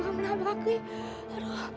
bagaimana aku ya